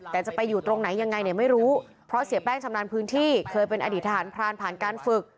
แต่จะไปอยู่ตรงไหนยังไงเนี่ยไม่รู้เพราะเสียแป้งชำนาญพื้นที่เคยเป็นอดีตทหารพรานผ่านการฝึก